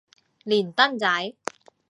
連登仔